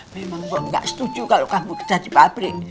memang mbok gak setuju kalau kamu kerja di pabrik